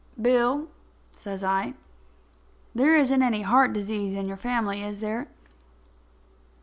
"Bill," says I, "there isn't any heart disease in your family, is there?